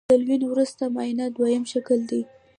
د تلوین وروسته معاینه دویم شکل دی.